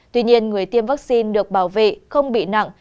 tuy nhiên người tiêm vaccine được bảo vệ không bị nặng